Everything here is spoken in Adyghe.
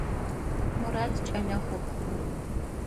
Мурат кӏэлэ хъупхъ.